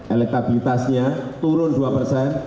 elektabilitasnya turun dua persen